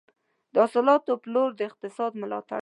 د حاصلاتو پلور د اقتصاد ملاتړ کوي.